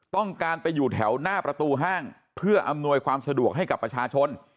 ต้องการไปอยู่แถวหน้าประตูห้างเพื่ออำนวยความสะดวกให้กับประชาชน